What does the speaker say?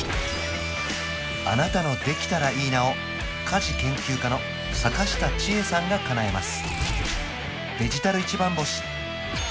あなたの「できたらいいな」を家事研究家の阪下千恵さんがかなえます